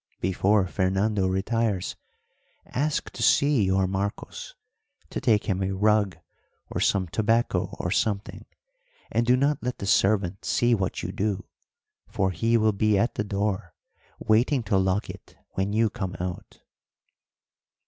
Before Fernando retires, ask to see your Marcos, to take him a rug, or some tobacco or something; and do not let the servant see what you do, for he will be at the door waiting to lock it when you come out."